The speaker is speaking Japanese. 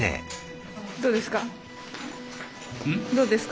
どうですか？